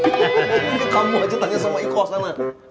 kamu aja tanya sama ikosan lah